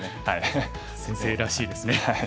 先生らしいですね。